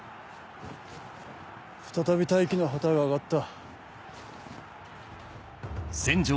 再び待機の旗が揚がった。